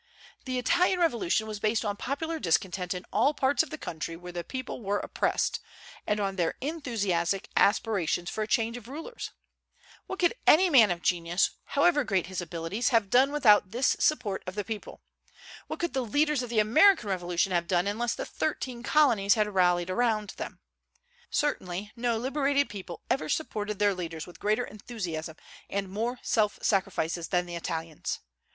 The Italian revolution was based on popular discontent in all parts of the country where the people were oppressed, and on their enthusiastic aspirations for a change of rulers. What could any man of genius, however great his abilities, have done without this support of the people? What could the leaders of the American Revolution have done unless the thirteen colonies had rallied around them? Certainly no liberated people ever supported their leaders with greater enthusiasm and more self sacrifices than the Italians.